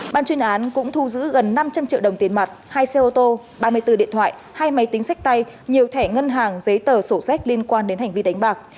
ban chuyên án cũng thu giữ gần năm trăm linh triệu đồng tiền mặt hai xe ô tô ba mươi bốn điện thoại hai máy tính sách tay nhiều thẻ ngân hàng giấy tờ sổ sách liên quan đến hành vi đánh bạc